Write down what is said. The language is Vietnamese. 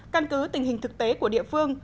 căn cứ tình hình thực tế của địa phương